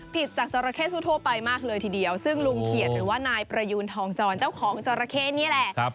ผิดจากจราเข้ทั่วไปมากเลยทีเดียวซึ่งลุงเขียดหรือว่านายประยูนทองจรเจ้าของจราเข้นี่แหละ